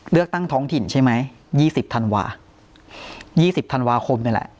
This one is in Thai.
เลือกตั้งท้องถิ่นใช่ไหม๒๐ธันวา๒๐ธันวาคมนี่แหละ